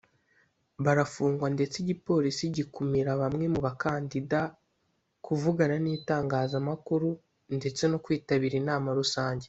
barafungwa ndetse igipolisi gikumira bamwe mu bakandida kuvugana n’itangazamakuru ndetse no kwitabira inama rusange